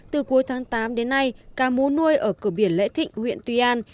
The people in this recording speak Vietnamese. từ cuối tháng tám đến nay cá mú nuôi ở cửa biển lễ thịnh huyện tuy an